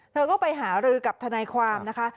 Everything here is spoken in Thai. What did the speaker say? เธอก็ไปหารือกับทนายความนะคะ